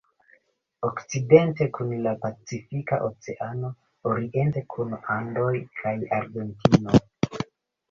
Okcidente kun la Pacifika Oceano, oriente kun Andoj kaj Argentino.